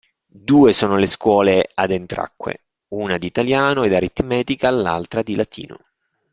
Due sono le scuole ad Entracque: una di italiano ed aritmetica, l'altra di latino.